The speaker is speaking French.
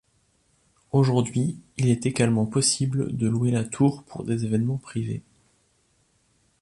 Aujourd’hui, il est également possible de louer la tour pour des événements privés.